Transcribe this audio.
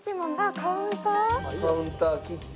カウンターキッチン。